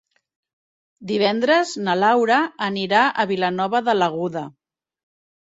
Divendres na Laura anirà a Vilanova de l'Aguda.